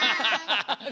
ハハハハ！